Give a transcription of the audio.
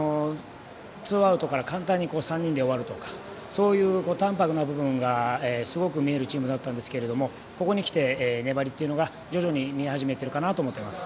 ツーアウトから簡単に３人で終わるとかそういう、たんぱくな部分がすごく見えるチームだったんですけどここにきて粘りというのが見え始めてきてるかなと思います。